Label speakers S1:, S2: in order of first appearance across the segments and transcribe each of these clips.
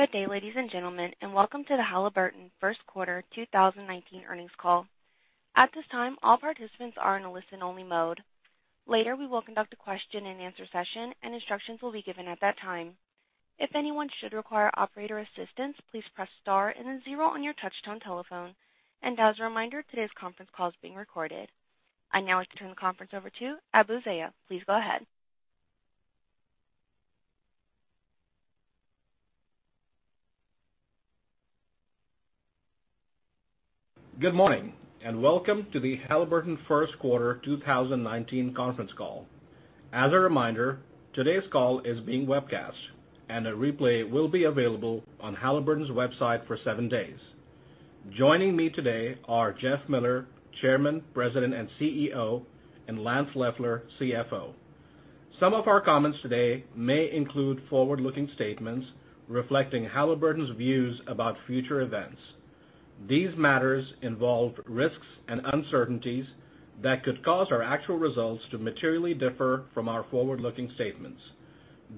S1: Good day, ladies and gentlemen, and welcome to the Halliburton first quarter 2019 earnings call. At this time, all participants are in a listen-only mode. Later, we will conduct a question-and-answer session, and instructions will be given at that time. If anyone should require operator assistance, please press star and then 0 on your touch-tone telephone. As a reminder, today's conference call is being recorded. I'd now like to turn the conference over to Abu Zeya. Please go ahead.
S2: Good morning, welcome to the Halliburton first quarter 2019 conference call. As a reminder, today's call is being webcast, a replay will be available on Halliburton's website for seven days. Joining me today are Jeff Miller, Chairman, President, and CEO, Lance Loeffler, CFO. Some of our comments today may include forward-looking statements reflecting Halliburton's views about future events. These matters involve risks and uncertainties that could cause our actual results to materially differ from our forward-looking statements.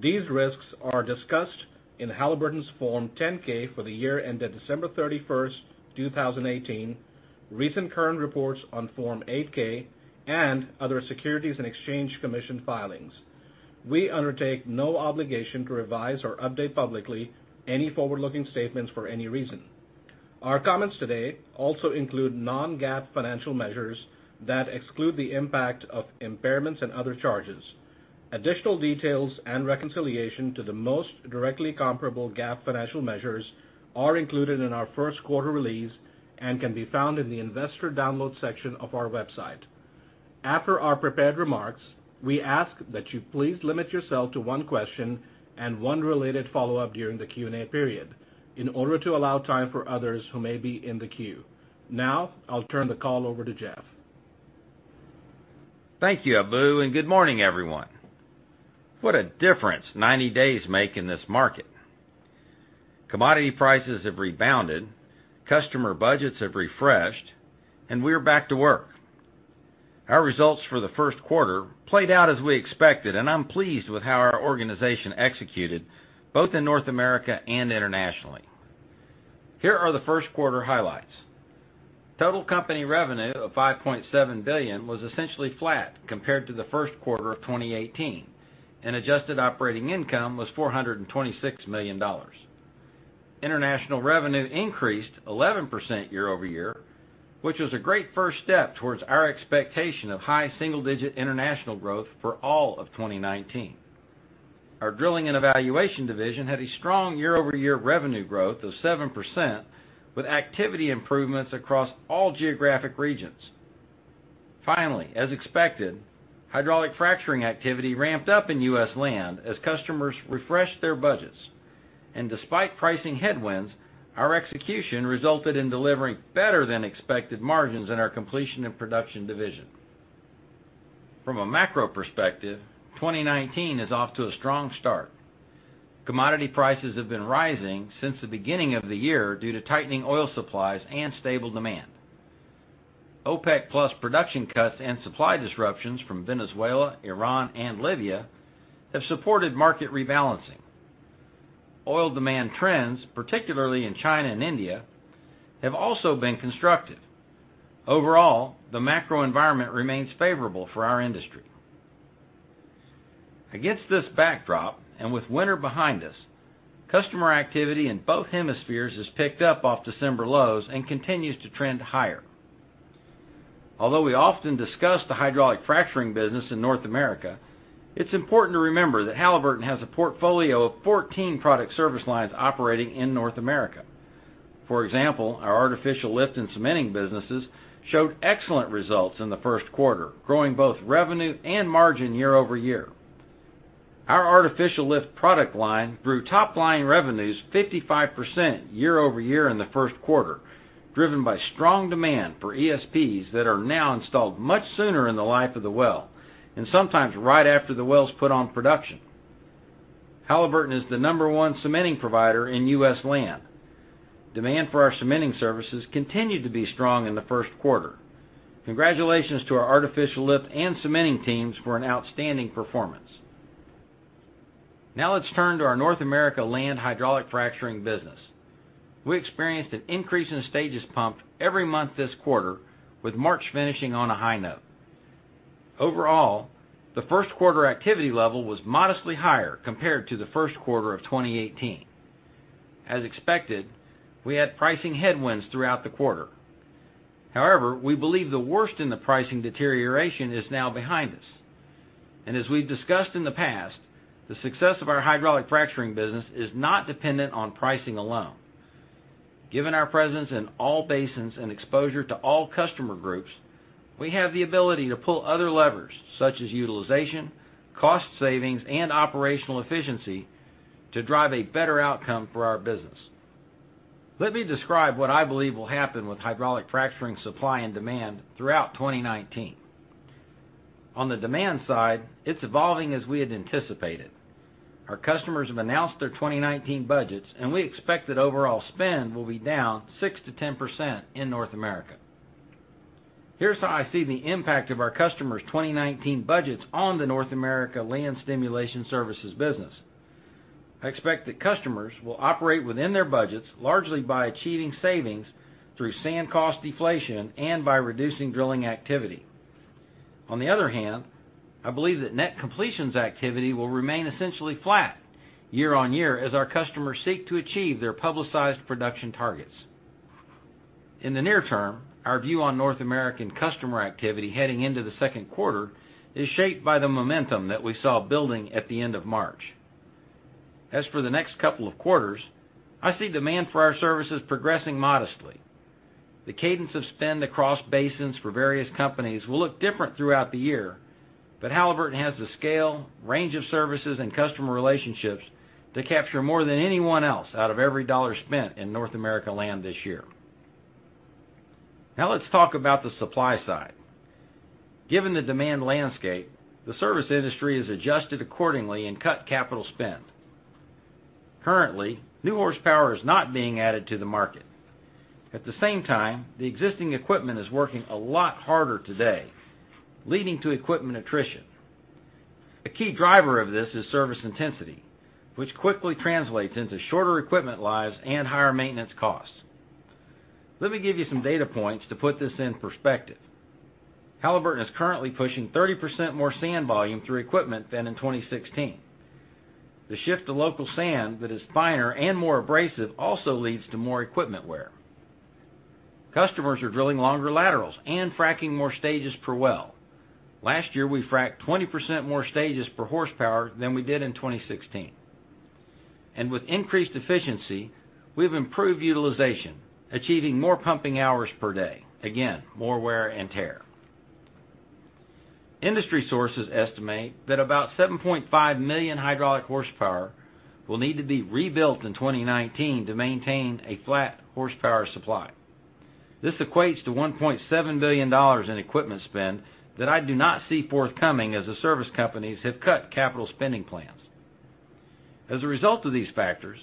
S2: These risks are discussed in Halliburton's Form 10-K for the year ended December 31st, 2018, recent current reports on Form 8-K and other Securities and Exchange Commission filings. We undertake no obligation to revise or update publicly any forward-looking statements for any reason. Our comments today also include non-GAAP financial measures that exclude the impact of impairments and other charges. Additional details and reconciliation to the most directly comparable GAAP financial measures are included in our first quarter release and can be found in the investor download section of our website. After our prepared remarks, we ask that you please limit yourself to one question and one related follow-up during the Q&A period in order to allow time for others who may be in the queue. I'll turn the call over to Jeff.
S3: Thank you, Abu, good morning, everyone. What a difference 90 days make in this market. Commodity prices have rebounded, customer budgets have refreshed, we are back to work. Our results for the first quarter played out as we expected, I'm pleased with how our organization executed, both in North America and internationally. Here are the first quarter highlights. Total company revenue of $5.7 billion was essentially flat compared to the first quarter of 2018, adjusted operating income was $426 million. International revenue increased 11% year-over-year, which was a great first step towards our expectation of high single-digit international growth for all of 2019. Our Drilling and Evaluation division had a strong year-over-year revenue growth of 7%, with activity improvements across all geographic regions. As expected, hydraulic fracturing activity ramped up in U.S. land as customers refreshed their budgets. Despite pricing headwinds, our execution resulted in delivering better than expected margins in our Completion and Production division. From a macro perspective, 2019 is off to a strong start. Commodity prices have been rising since the beginning of the year due to tightening oil supplies and stable demand. OPEC Plus production cuts and supply disruptions from Venezuela, Iran, and Libya have supported market rebalancing. Oil demand trends, particularly in China and India, have also been constructive. Overall, the macro environment remains favorable for our industry. Against this backdrop, and with winter behind us, customer activity in both hemispheres has picked up off December lows and continues to trend higher. Although we often discuss the hydraulic fracturing business in North America, it's important to remember that Halliburton has a portfolio of 14 product service lines operating in North America. For example, our artificial lift and cementing businesses showed excellent results in the first quarter, growing both revenue and margin year-over-year. Our artificial lift product line grew top-line revenues 55% year-over-year in the first quarter, driven by strong demand for ESPs that are now installed much sooner in the life of the well, and sometimes right after the well's put on production. Halliburton is the number one cementing provider in U.S. land. Demand for our cementing services continued to be strong in the first quarter. Congratulations to our artificial lift and cementing teams for an outstanding performance. Let's turn to our North America land hydraulic fracturing business. We experienced an increase in stages pumped every month this quarter, with March finishing on a high note. Overall, the first quarter activity level was modestly higher compared to the first quarter of 2018. As expected, we had pricing headwinds throughout the quarter. However, we believe the worst in the pricing deterioration is now behind us. As we've discussed in the past, the success of our hydraulic fracturing business is not dependent on pricing alone. Given our presence in all basins and exposure to all customer groups, we have the ability to pull other levers, such as utilization, cost savings, and operational efficiency to drive a better outcome for our business. Let me describe what I believe will happen with hydraulic fracturing supply and demand throughout 2019. On the demand side, it's evolving as we had anticipated. Our customers have announced their 2019 budgets, and we expect that overall spend will be down 6%-10% in North America. Here's how I see the impact of our customers' 2019 budgets on the North America land stimulation services business. I expect that customers will operate within their budgets, largely by achieving savings through sand cost deflation and by reducing drilling activity. On the other hand, I believe that net completions activity will remain essentially flat year-on-year as our customers seek to achieve their publicized production targets. In the near term, our view on North American customer activity heading into the second quarter is shaped by the momentum that we saw building at the end of March. As for the next couple of quarters, I see demand for our services progressing modestly. The cadence of spend across basins for various companies will look different throughout the year, but Halliburton has the scale, range of services, and customer relationships to capture more than anyone else out of every dollar spent in North America land this year. Let's talk about the supply side. Given the demand landscape, the service industry has adjusted accordingly and cut capital spend. Currently, new horsepower is not being added to the market. At the same time, the existing equipment is working a lot harder today, leading to equipment attrition. A key driver of this is service intensity, which quickly translates into shorter equipment lives and higher maintenance costs. Let me give you some data points to put this in perspective. Halliburton is currently pushing 30% more sand volume through equipment than in 2016. The shift to local sand that is finer and more abrasive also leads to more equipment wear. Customers are drilling longer laterals and fracking more stages per well. Last year, we fracked 20% more stages per horsepower than we did in 2016. With increased efficiency, we've improved utilization, achieving more pumping hours per day. Again, more wear and tear. Industry sources estimate that about 7.5 million hydraulic horsepower will need to be rebuilt in 2019 to maintain a flat horsepower supply. This equates to $1.7 billion in equipment spend that I do not see forthcoming, as the service companies have cut capital spending plans. As a result of these factors,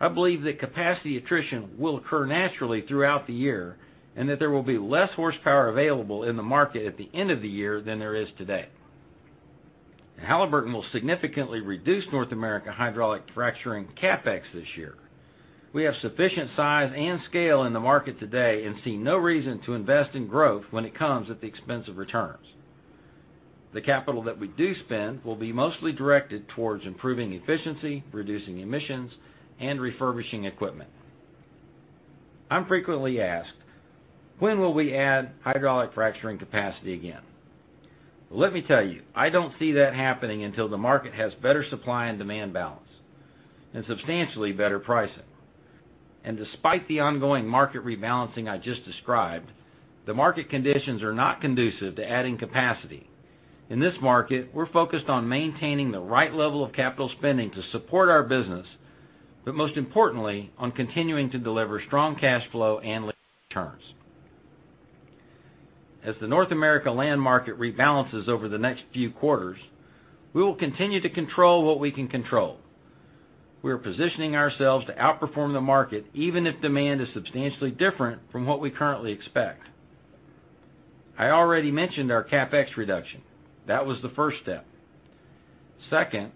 S3: I believe that capacity attrition will occur naturally throughout the year, and that there will be less horsepower available in the market at the end of the year than there is today. Halliburton will significantly reduce North America hydraulic fracturing CapEx this year. We have sufficient size and scale in the market today and see no reason to invest in growth when it comes at the expense of returns. The capital that we do spend will be mostly directed towards improving efficiency, reducing emissions, and refurbishing equipment. I'm frequently asked, "When will we add hydraulic fracturing capacity again?" Let me tell you, I don't see that happening until the market has better supply and demand balance and substantially better pricing. Despite the ongoing market rebalancing I just described, the market conditions are not conducive to adding capacity. In this market, we're focused on maintaining the right level of capital spending to support our business, but most importantly, on continuing to deliver strong cash flow and returns. As the North America land market rebalances over the next few quarters, we will continue to control what we can control. We are positioning ourselves to outperform the market, even if demand is substantially different from what we currently expect. I already mentioned our CapEx reduction. That was the first step. Second,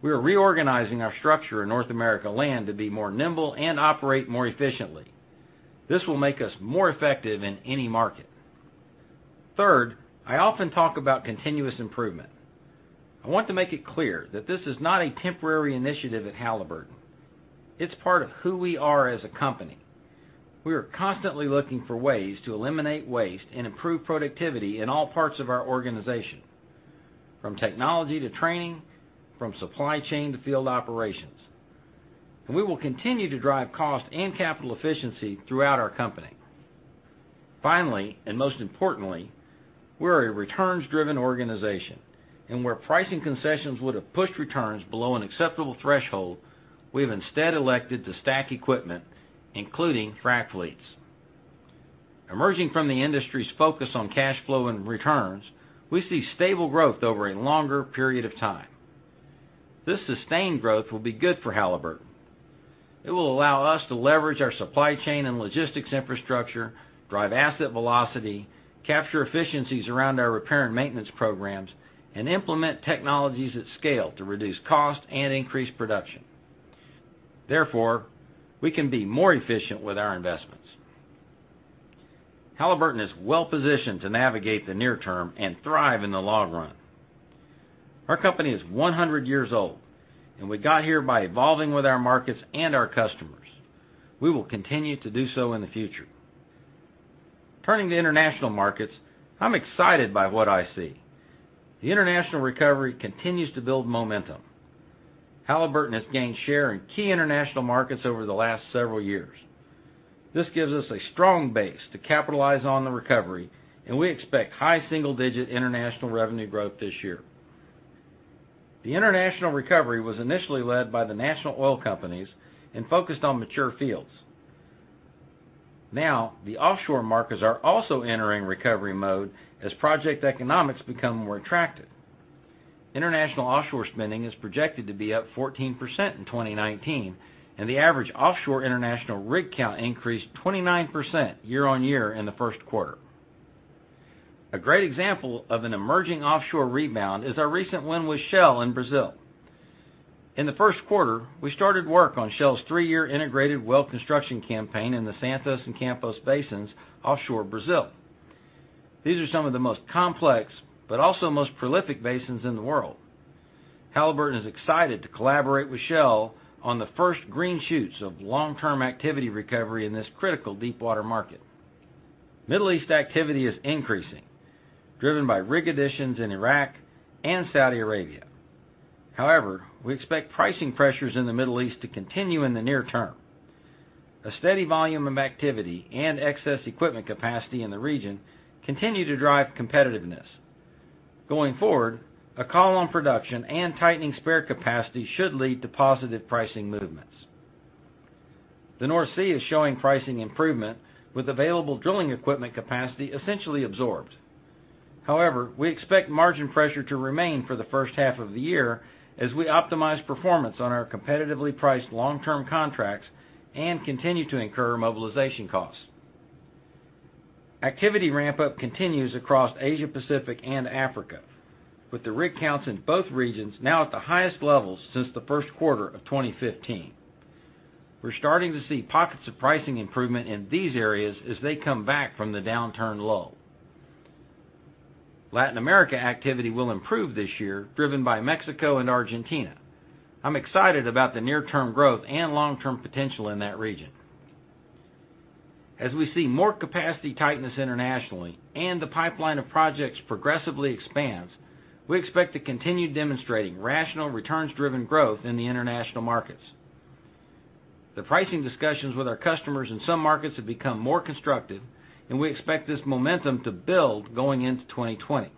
S3: we are reorganizing our structure in North America land to be more nimble and operate more efficiently. This will make us more effective in any market. Third, I often talk about continuous improvement. I want to make it clear that this is not a temporary initiative at Halliburton. It's part of who we are as a company. We are constantly looking for ways to eliminate waste and improve productivity in all parts of our organization, from technology to training, from supply chain to field operations. We will continue to drive cost and capital efficiency throughout our company. Finally, and most importantly, we are a returns-driven organization, and where pricing concessions would have pushed returns below an acceptable threshold, we have instead elected to stack equipment, including frac fleets. Emerging from the industry's focus on cash flow and returns, we see stable growth over a longer period of time. This sustained growth will be good for Halliburton. It will allow us to leverage our supply chain and logistics infrastructure, drive asset velocity, capture efficiencies around our repair and maintenance programs, and implement technologies at scale to reduce cost and increase production. We can be more efficient with our investments. Halliburton is well positioned to navigate the near term and thrive in the long run. Our company is 100 years old, and we got here by evolving with our markets and our customers. We will continue to do so in the future. Turning to international markets, I'm excited by what I see. The international recovery continues to build momentum. Halliburton has gained share in key international markets over the last several years. This gives us a strong base to capitalize on the recovery, and we expect high single-digit international revenue growth this year. The international recovery was initially led by the national oil companies and focused on mature fields. The offshore markets are also entering recovery mode as project economics become more attractive. International offshore spending is projected to be up 14% in 2019, and the average offshore international rig count increased 29% year-over-year in the first quarter. A great example of an emerging offshore rebound is our recent win with Shell in Brazil. In the first quarter, we started work on Shell's three-year integrated well construction campaign in the Santos and Campos basins offshore Brazil. These are some of the most complex but also most prolific basins in the world. Halliburton is excited to collaborate with Shell on the first green shoots of long-term activity recovery in this critical deepwater market. Middle East activity is increasing, driven by rig additions in Iraq and Saudi Arabia. We expect pricing pressures in the Middle East to continue in the near term. A steady volume of activity and excess equipment capacity in the region continue to drive competitiveness. A call on production and tightening spare capacity should lead to positive pricing movements. The North Sea is showing pricing improvement, with available drilling equipment capacity essentially absorbed. We expect margin pressure to remain for the first half of the year as we optimize performance on our competitively priced long-term contracts and continue to incur mobilization costs. Activity ramp-up continues across Asia Pacific and Africa, with the rig counts in both regions now at the highest levels since the first quarter of 2015. We're starting to see pockets of pricing improvement in these areas as they come back from the downturn low. Latin America activity will improve this year, driven by Mexico and Argentina. I'm excited about the near-term growth and long-term potential in that region. We see more capacity tightness internationally and the pipeline of projects progressively expands, we expect to continue demonstrating rational, returns-driven growth in the international markets. The pricing discussions with our customers in some markets have become more constructive, and we expect this momentum to build going into 2020.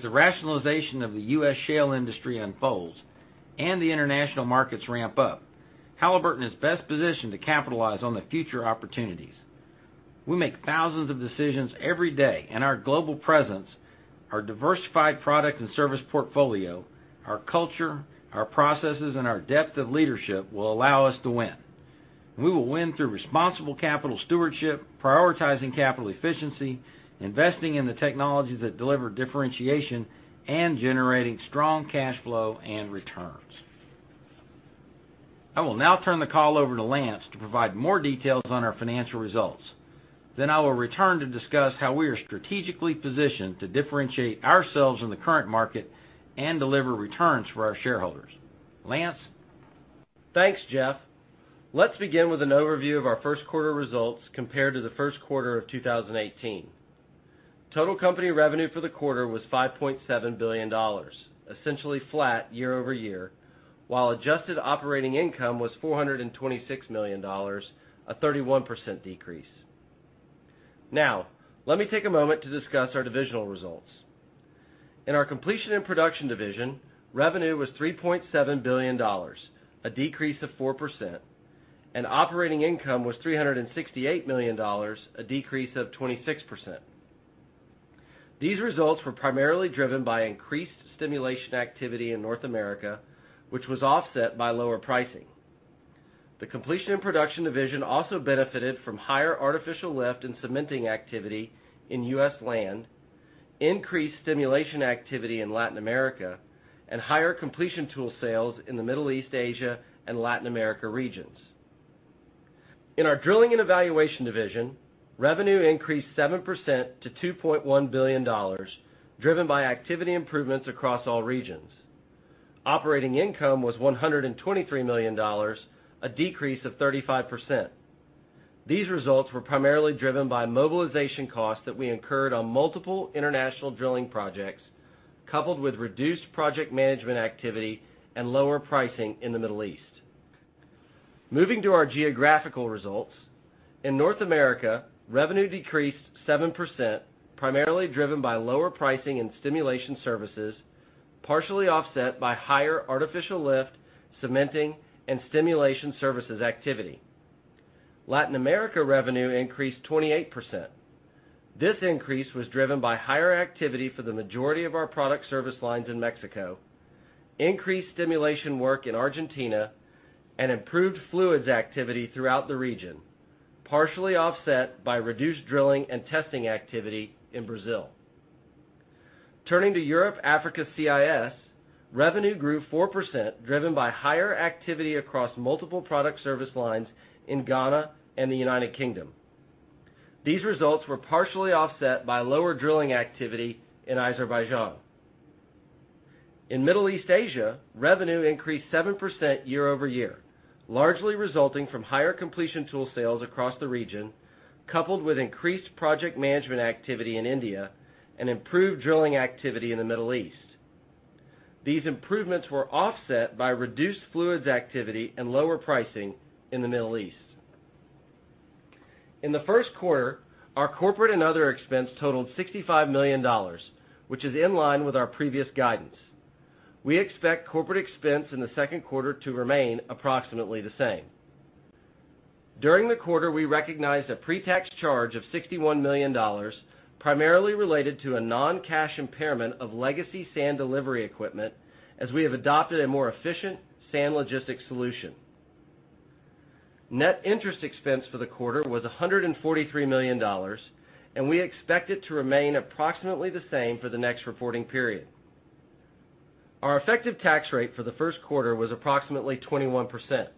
S3: The rationalization of the U.S. shale industry unfolds and the international markets ramp up, Halliburton is best positioned to capitalize on the future opportunities. We make thousands of decisions every day, and our global presence, our diversified product and service portfolio, our culture, our processes, and our depth of leadership will allow us to win. We will win through responsible capital stewardship, prioritizing capital efficiency, investing in the technologies that deliver differentiation, and generating strong cash flow and returns. I will now turn the call over to Lance to provide more details on our financial results. I will return to discuss how we are strategically positioned to differentiate ourselves in the current market and deliver returns for our shareholders. Lance?
S4: Thanks, Jeff. Let's begin with an overview of our first quarter results compared to the first quarter of 2018. Total company revenue for the quarter was $5.7 billion, essentially flat year-over-year, while adjusted operating income was $426 million, a 31% decrease. Now, let me take a moment to discuss our divisional results. In our Completion and Production division, revenue was $3.7 billion, a decrease of 4%, and operating income was $368 million, a decrease of 26%. These results were primarily driven by increased stimulation activity in North America, which was offset by lower pricing. The Completion and Production division also benefited from higher artificial lift and cementing activity in U.S. Land, increased stimulation activity in Latin America, and higher completion tool sales in the Middle East, Asia, and Latin America regions. In our Drilling and Evaluation division, revenue increased 7% to $2.1 billion, driven by activity improvements across all regions. Operating income was $123 million, a decrease of 35%. These results were primarily driven by mobilization costs that we incurred on multiple international drilling projects, coupled with reduced project management activity and lower pricing in the Middle East. Moving to our geographical results, in North America, revenue decreased 7%, primarily driven by lower pricing in stimulation services, partially offset by higher artificial lift, cementing, and stimulation services activity. Latin America revenue increased 28%. This increase was driven by higher activity for the majority of our product service lines in Mexico, increased stimulation work in Argentina, and improved fluids activity throughout the region, partially offset by reduced drilling and testing activity in Brazil. Turning to Europe, Africa, CIS, revenue grew 4%, driven by higher activity across multiple product service lines in Ghana and the United Kingdom. These results were partially offset by lower drilling activity in Azerbaijan. In Middle East Asia, revenue increased 7% year-over-year, largely resulting from higher completion tool sales across the region, coupled with increased project management activity in India and improved drilling activity in the Middle East. These improvements were offset by reduced fluids activity and lower pricing in the Middle East. In the first quarter, our corporate and other expense totaled $65 million, which is in line with our previous guidance. We expect corporate expense in the second quarter to remain approximately the same. During the quarter, we recognized a pre-tax charge of $61 million, primarily related to a non-cash impairment of legacy sand delivery equipment, as we have adopted a more efficient sand logistics solution. Net interest expense for the quarter was $143 million. We expect it to remain approximately the same for the next reporting period. Our effective tax rate for the first quarter was approximately 21%.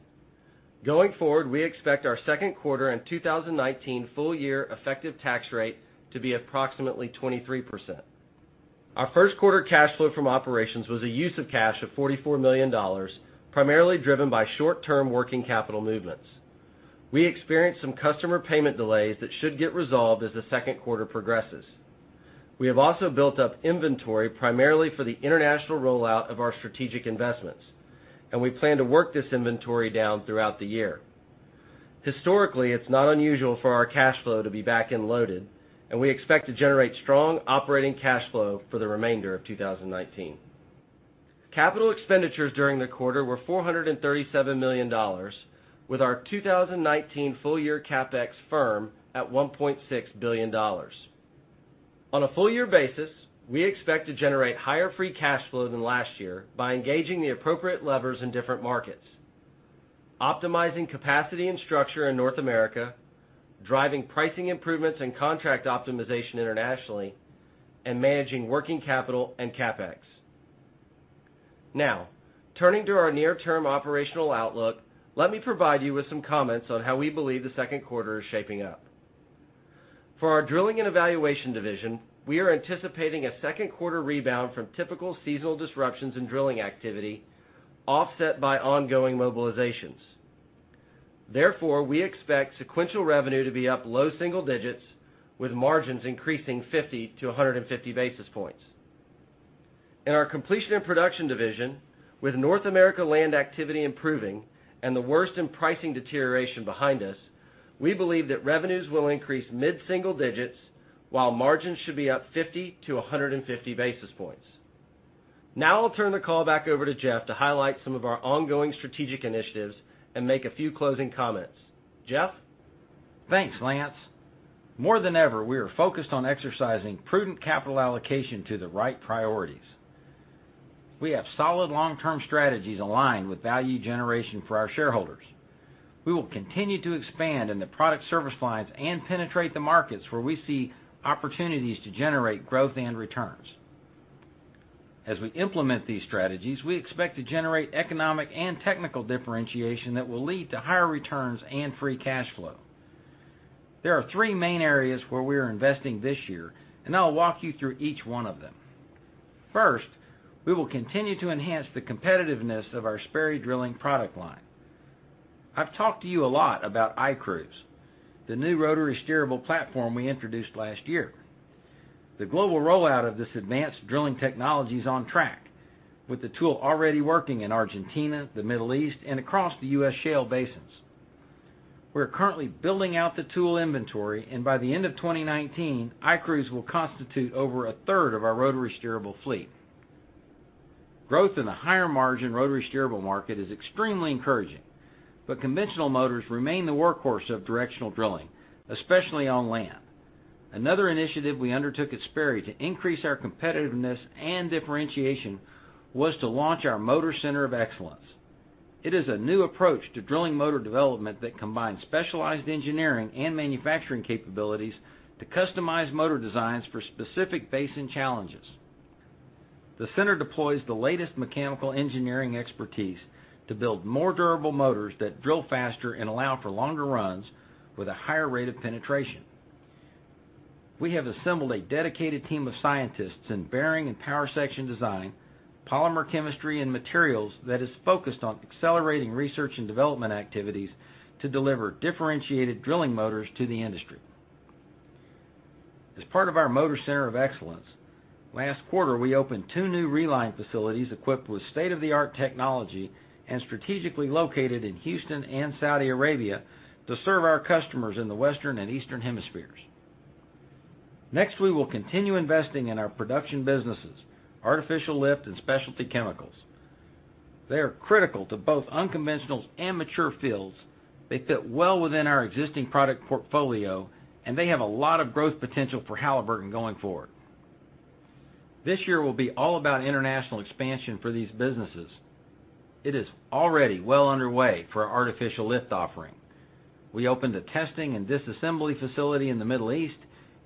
S4: Going forward, we expect our second quarter and 2019 full-year effective tax rate to be approximately 23%. Our first quarter cash flow from operations was a use of cash of $44 million, primarily driven by short-term working capital movements. We experienced some customer payment delays that should get resolved as the second quarter progresses. We have also built up inventory primarily for the international rollout of our strategic investments. We plan to work this inventory down throughout the year. Historically, it's not unusual for our cash flow to be back-end loaded. We expect to generate strong operating cash flow for the remainder of 2019. Capital expenditures during the quarter were $437 million, with our 2019 full-year CapEx firm at $1.6 billion. On a full-year basis, we expect to generate higher free cash flow than last year by engaging the appropriate levers in different markets, optimizing capacity and structure in North America, driving pricing improvements and contract optimization internationally, and managing working capital and CapEx. Turning to our near-term operational outlook, let me provide you with some comments on how we believe the second quarter is shaping up. For our Drilling and Evaluation division, we are anticipating a second quarter rebound from typical seasonal disruptions in drilling activity offset by ongoing mobilizations. We expect sequential revenue to be up low single digits, with margins increasing 50 to 150 basis points. In our Completion and Production division, with North America land activity improving and the worst in pricing deterioration behind us, we believe that revenues will increase mid-single digits, while margins should be up 50 to 150 basis points. I'll turn the call back over to Jeff to highlight some of our ongoing strategic initiatives and make a few closing comments. Jeff?
S3: Thanks, Lance. More than ever, we are focused on exercising prudent capital allocation to the right priorities. We have solid long-term strategies aligned with value generation for our shareholders. We will continue to expand in the product service lines and penetrate the markets where we see opportunities to generate growth and returns. As we implement these strategies, we expect to generate economic and technical differentiation that will lead to higher returns and free cash flow. There are three main areas where we are investing this year. I'll walk you through each one of them. First, we will continue to enhance the competitiveness of our Sperry Drilling product line. I've talked to you a lot about iCruise, the new rotary steerable platform we introduced last year. The global rollout of this advanced drilling technology is on track, with the tool already working in Argentina, the Middle East, and across the U.S. shale basins. We are currently building out the tool inventory, and by the end of 2019, iCruise will constitute over a third of our rotary steerable fleet. Growth in the higher-margin rotary steerable market is extremely encouraging. Conventional motors remain the workhorse of directional drilling, especially on land. Another initiative we undertook at Sperry Drilling to increase our competitiveness and differentiation was to launch our Motors Center of Excellence. It is a new approach to drilling motor development that combines specialized engineering and manufacturing capabilities to customize motor designs for specific basin challenges. The center deploys the latest mechanical engineering expertise to build more durable motors that drill faster and allow for longer runs with a higher rate of penetration. We have assembled a dedicated team of scientists in bearing and power section design, polymer chemistry, and materials that is focused on accelerating research and development activities to deliver differentiated drilling motors to the industry. As part of our Motors Center of Excellence, last quarter, we opened two new reline facilities equipped with state-of-the-art technology and strategically located in Houston and Saudi Arabia to serve our customers in the Western and Eastern hemispheres. We will continue investing in our production businesses, artificial lift, and specialty chemicals. They are critical to both unconventional and mature fields. They fit well within our existing product portfolio, and they have a lot of growth potential for Halliburton going forward. This year will be all about international expansion for these businesses. It is already well underway for our artificial lift offering. We opened a testing and disassembly facility in the Middle East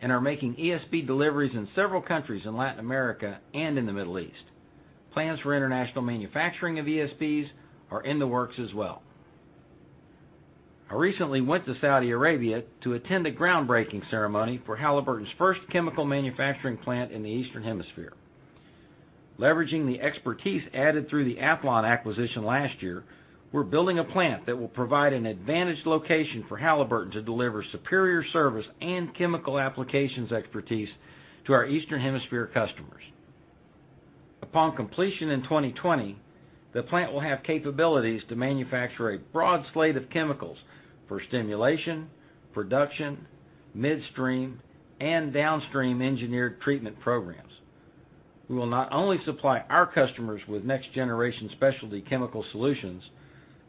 S3: and are making ESP deliveries in several countries in Latin America and in the Middle East. Plans for international manufacturing of ESPs are in the works as well. I recently went to Saudi Arabia to attend a groundbreaking ceremony for Halliburton's first chemical manufacturing plant in the Eastern Hemisphere. Leveraging the expertise added through the Athlon acquisition last year, we're building a plant that will provide an advantaged location for Halliburton to deliver superior service and chemical applications expertise to our Eastern Hemisphere customers. Upon completion in 2020, the plant will have capabilities to manufacture a broad slate of chemicals for stimulation, production, midstream, and downstream engineered treatment programs. We will not only supply our customers with next-generation specialty chemical solutions,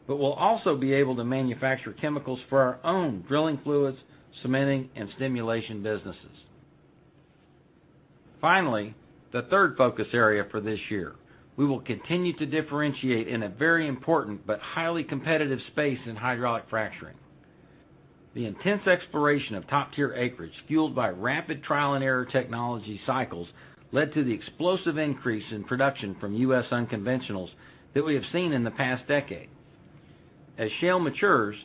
S3: but we'll also be able to manufacture chemicals for our own drilling fluids, cementing, and stimulation businesses. The third focus area for this year, we will continue to differentiate in a very important but highly competitive space in hydraulic fracturing. The intense exploration of top-tier acreage, fueled by rapid trial-and-error technology cycles, led to the explosive increase in production from U.S. unconventionals that we have seen in the past decade. As shale matures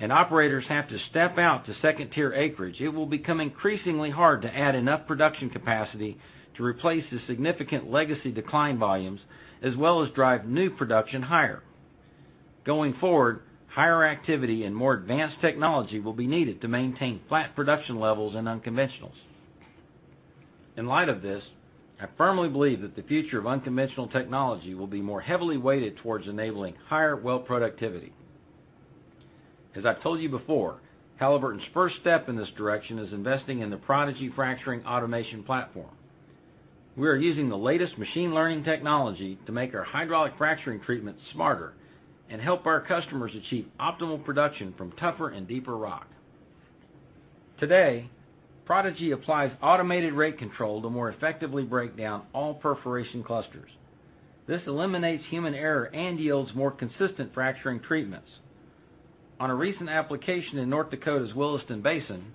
S3: and operators have to step out to second-tier acreage, it will become increasingly hard to add enough production capacity to replace the significant legacy decline volumes, as well as drive new production higher. Going forward, higher activity and more advanced technology will be needed to maintain flat production levels in unconventionals. In light of this, I firmly believe that the future of unconventional technology will be more heavily weighted towards enabling higher well productivity. As I've told you before, Halliburton's first step in this direction is investing in the Prodigi fracturing automation platform. We are using the latest machine learning technology to make our hydraulic fracturing treatment smarter and help our customers achieve optimal production from tougher and deeper rock. Today, Prodigi applies automated rate control to more effectively break down all perforation clusters. This eliminates human error and yields more consistent fracturing treatments. On a recent application in North Dakota's Williston Basin,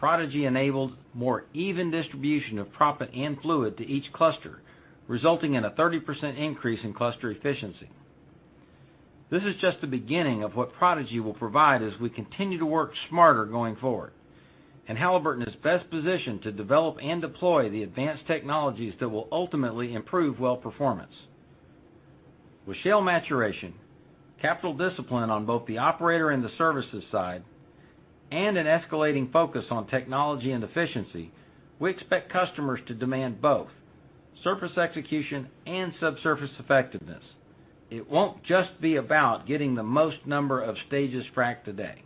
S3: Prodigi enabled more even distribution of proppant and fluid to each cluster, resulting in a 30% increase in cluster efficiency. This is just the beginning of what Prodigi will provide as we continue to work smarter going forward. Halliburton is best positioned to develop and deploy the advanced technologies that will ultimately improve well performance. With shale maturation, capital discipline on both the operator and the services side, an escalating focus on technology and efficiency, we expect customers to demand both surface execution and subsurface effectiveness. It won't just be about getting the most number of stages fracked today.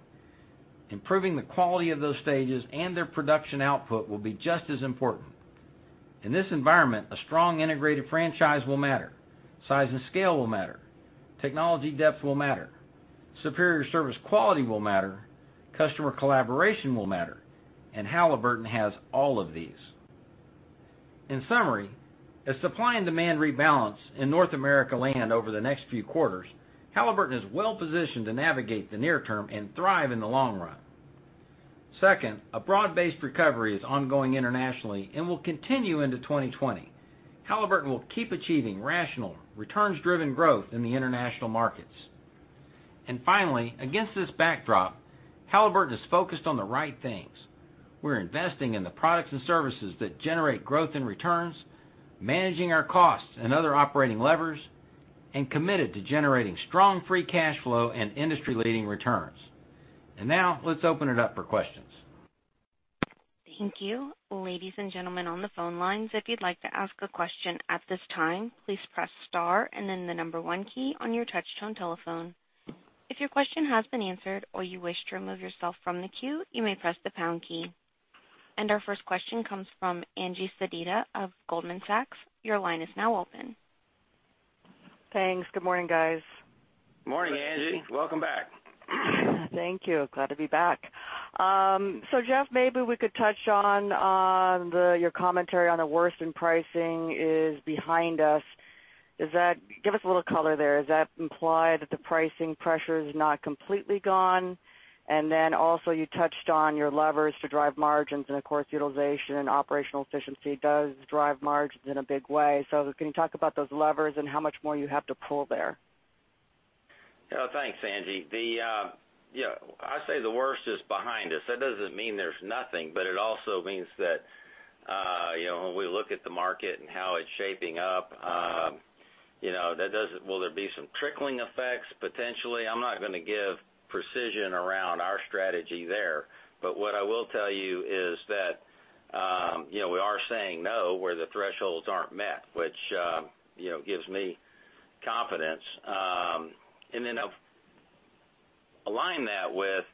S3: Improving the quality of those stages and their production output will be just as important. In this environment, a strong integrated franchise will matter. Size and scale will matter. Technology depth will matter. Superior service quality will matter. Customer collaboration will matter. Halliburton has all of these. In summary, as supply and demand rebalance in North America land over the next few quarters, Halliburton is well positioned to navigate the near term and thrive in the long run. Second, a broad-based recovery is ongoing internationally and will continue into 2020. Halliburton will keep achieving rational, returns-driven growth in the international markets. Finally, against this backdrop, Halliburton is focused on the right things. We're investing in the products and services that generate growth and returns, managing our costs and other operating levers, committed to generating strong free cash flow and industry-leading returns. Now, let's open it up for questions.
S1: Thank you. Ladies and gentlemen on the phone lines, if you'd like to ask a question at this time, please press star and then the number one key on your touch-tone telephone. If your question has been answered or you wish to remove yourself from the queue, you may press the pound key. Our first question comes from Angie Sedita of Goldman Sachs. Your line is now open.
S5: Thanks. Good morning, guys.
S3: Morning, Angie. Welcome back.
S5: Thank you. Glad to be back. Jeff, maybe we could touch on your commentary on the worst in pricing is behind us. Give us a little color there. Does that imply that the pricing pressure is not completely gone? Also, you touched on your levers to drive margins and, of course, utilization and operational efficiency does drive margins in a big way. Can you talk about those levers and how much more you have to pull there?
S3: Yeah. Thanks, Angie. I say the worst is behind us. That doesn't mean there's nothing, but it also means that when we look at the market and how it's shaping up, will there be some trickling effects, potentially? I'm not going to give precision around our strategy there. What I will tell you is that we are saying no where the thresholds aren't met, which gives me confidence. Align that with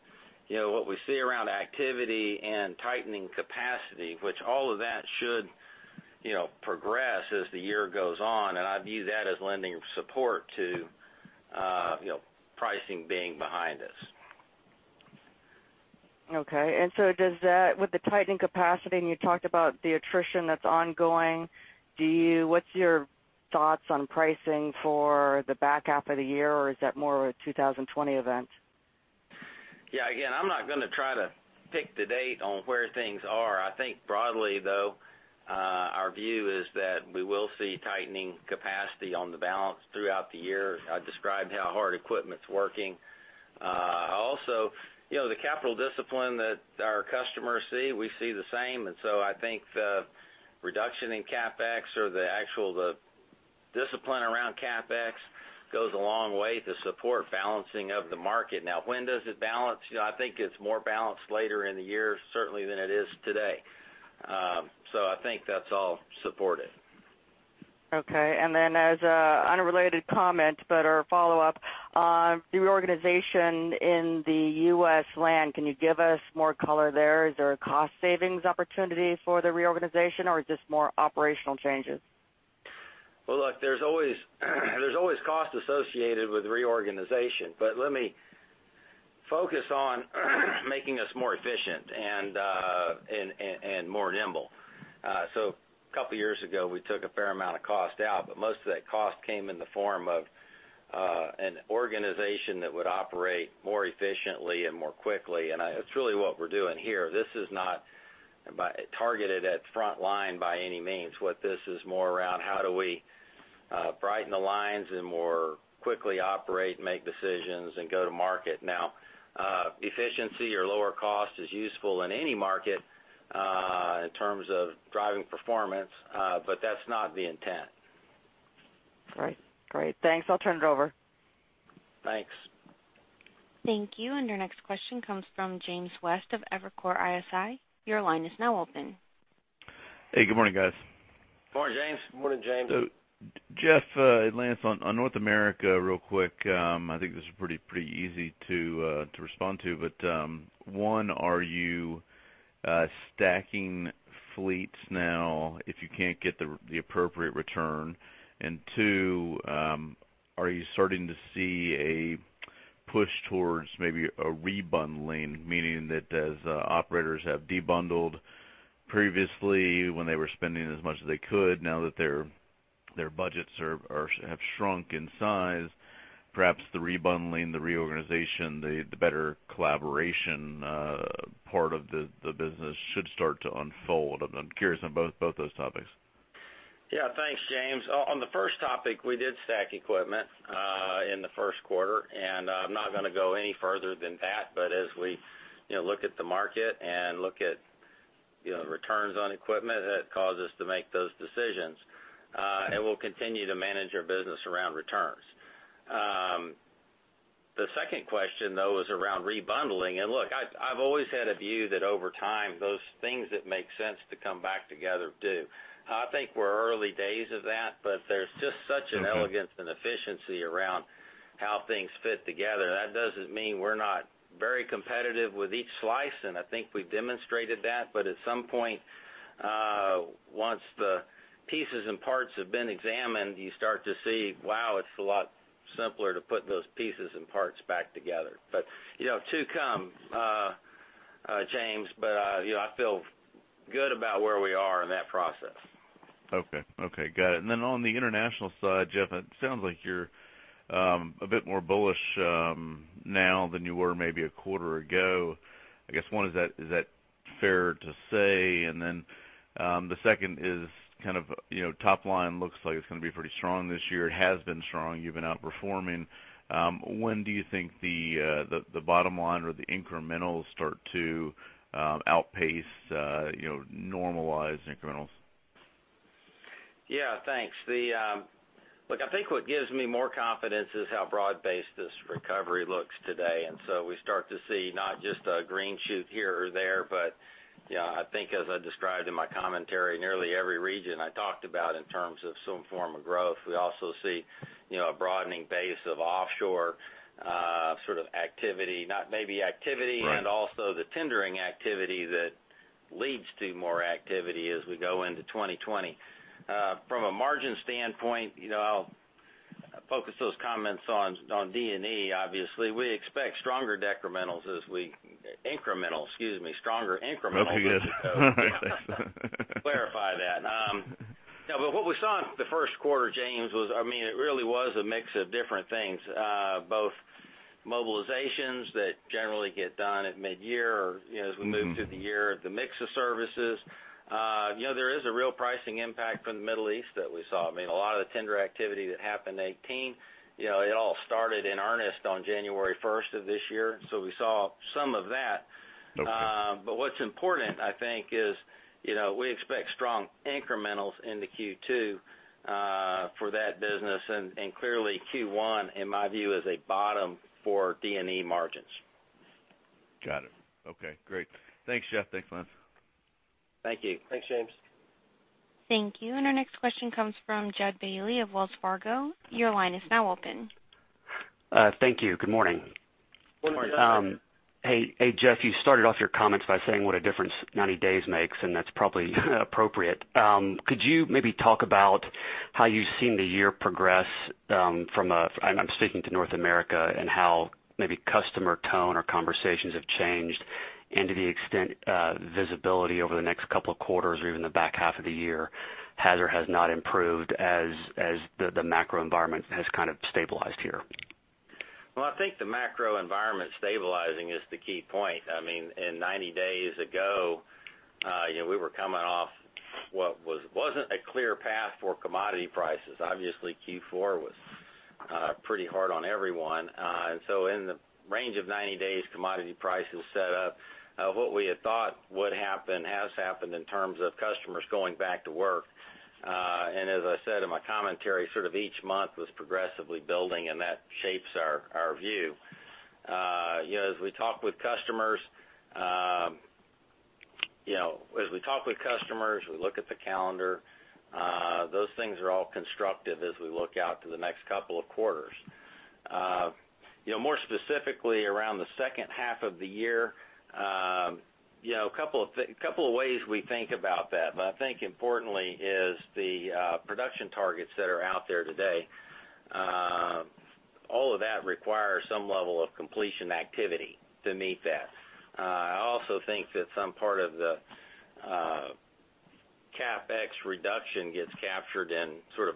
S3: what we see around activity and tightening capacity, which all of that should progress as the year goes on. I view that as lending support to pricing being behind us.
S5: Okay. With the tightening capacity, and you talked about the attrition that's ongoing, what's your thoughts on pricing for the back half of the year? Is that more of a 2020 event?
S3: Yeah. Again, I'm not going to try to pick the date on where things are. I think broadly, though, our view is that we will see tightening capacity on the balance throughout the year. I described how hard equipment's working. Also, the capital discipline that our customers see, we see the same. I think the reduction in CapEx or the discipline around CapEx goes a long way to support balancing of the market. Now, when does it balance? I think it's more balanced later in the year, certainly, than it is today. I think that's all supported.
S5: Okay. As an unrelated comment, but a follow-up on reorganization in the U.S. land, can you give us more color there? Is there a cost savings opportunity for the reorganization or is this more operational changes?
S3: Well, look, there's always cost associated with reorganization, but let me focus on making us more efficient and more nimble. Couple years ago, we took a fair amount of cost out, but most of that cost came in the form of an organization that would operate more efficiently and more quickly, and that's really what we're doing here. This is not targeted at frontline by any means. What this is more around how do we brighten the lines and more quickly operate, make decisions, and go to market. Now, efficiency or lower cost is useful in any market, in terms of driving performance. That's not the intent.
S5: Great. Thanks. I'll turn it over.
S3: Thanks.
S1: Thank you. Our next question comes from James West of Evercore ISI. Your line is now open.
S6: Hey, good morning, guys.
S3: Good morning, James.
S4: Good morning, James.
S6: Jeff, Lance, on North America real quick, I think this is pretty easy to respond to, one, are you stacking fleets now if you can't get the appropriate return? Two, are you starting to see a push towards maybe a rebundling, meaning that as operators have debundled previously when they were spending as much as they could, now that their budgets have shrunk in size, perhaps the rebundling, the reorganization, the better collaboration part of the business should start to unfold. I'm curious on both those topics.
S3: Yeah. Thanks, James. On the first topic, we did stack equipment in the first quarter, I'm not gonna go any further than that. As we look at the market and look at returns on equipment, that caused us to make those decisions. We'll continue to manage our business around returns. The second question, though, is around rebundling. Look, I've always had a view that over time, those things that make sense to come back together do. I think we're early days of that, there's just such an elegance and efficiency around how things fit together. That doesn't mean we're not very competitive with each slice, and I think we've demonstrated that. At some point, once the pieces and parts have been examined, you start to see, wow, it's a lot simpler to put those pieces and parts back together. To come, James, I feel good about where we are in that process.
S6: Okay. Got it. On the international side, Jeff, it sounds like you're a bit more bullish now than you were maybe a quarter ago. I guess one, is that fair to say? The second is kind of top line looks like it's gonna be pretty strong this year. It has been strong. You've been outperforming. When do you think the bottom line or the incrementals start to outpace normalized incrementals?
S3: Yeah, thanks. Look, I think what gives me more confidence is how broad-based this recovery looks today. We start to see not just a green shoot here or there, but I think as I described in my commentary, nearly every region I talked about in terms of some form of growth. We also see a broadening base of offshore sort of activity.
S6: Right
S3: Also the tendering activity that leads to more activity as we go into 2020. From a margin standpoint, I'll focus those comments on Drilling and Evaluation, obviously. We expect stronger decrementals. Incremental, excuse me. Stronger incrementals.
S6: Okay, good.
S3: Clarify that. What we saw in the first quarter, James, was, it really was a mix of different things, both mobilizations that generally get done at midyear or as we move through the year, the mix of services. There is a real pricing impact from the Middle East that we saw. A lot of the tender activity that happened 2018, it all started in earnest on January 1st of this year, we saw some of that.
S6: Okay.
S3: What's important, I think, is we expect strong incrementals into Q2 for that business, and clearly Q1, in my view, is a bottom for Drilling and Evaluation margins.
S6: Got it. Okay, great. Thanks, Jeff. Thanks, Lance.
S3: Thank you.
S4: Thanks, James.
S1: Thank you. Our next question comes from Jud Bailey of Wells Fargo. Your line is now open.
S7: Thank you. Good morning.
S3: Good morning.
S4: Good morning.
S7: Hey, Jeff, you started off your comments by saying what a difference 90 days makes, and that's probably appropriate. Could you maybe talk about how you've seen the year progress, I'm speaking to North America, and how maybe customer tone or conversations have changed, and to the extent visibility over the next couple of quarters or even the back half of the year has or has not improved as the macro environment has kind of stabilized here?
S3: Well, I think the macro environment stabilizing is the key point. 90 days ago, we were coming off what wasn't a clear path for commodity prices. Obviously, Q4 was pretty hard on everyone. In the range of 90 days, commodity prices set up. What we had thought would happen has happened in terms of customers going back to work. As I said in my commentary, sort of each month was progressively building, and that shapes our view. As we talk with customers, we look at the calendar. Those things are all constructive as we look out to the next couple of quarters. More specifically, around the second half of the year, a couple of ways we think about that, I think importantly is the production targets that are out there today. All of that requires some level of completion activity to meet that. I also think that some part of the CapEx reduction gets captured in